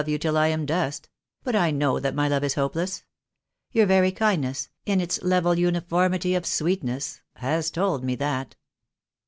you till I am dust; but I know that my love is hopeless. Your very kindness — in its level uniformity of sweetness — has told me that."